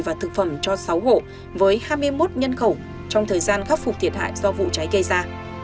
và thực phẩm cho sáu hộ với hai mươi một nhân khẩu trong thời gian khắc phục thiệt hại do vụ cháy gây ra